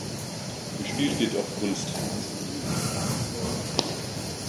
Gespielt wird auf Kunstrasen.